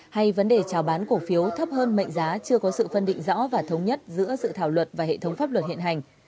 hay vấn đề trào bán cổ phiếu thấp hơn mệnh giá chưa có sự phân định rõ và thống nhất giữa sự thảo luật và hệ thống pháp luật hiện hành